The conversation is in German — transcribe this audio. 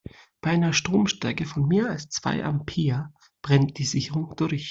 Bei einer Stromstärke von mehr als zwei Ampere brennt die Sicherung durch.